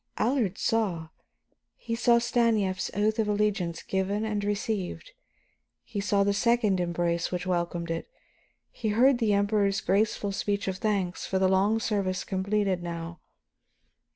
Allard saw. He saw Stanief's oath of allegiance given and received, he saw the second embrace which welcomed it; he heard the Emperor's graceful speech of thanks for the long service completed now.